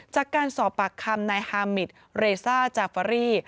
จากการสอบปากคำนายฮามิตเรซ่าจาฟารี่